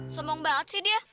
sombong banget sih dia